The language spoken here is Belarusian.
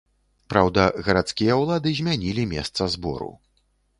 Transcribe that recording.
Праўда, гарадскія ўлады змянілі месца збору.